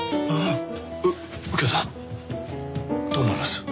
う右京さんどう思います？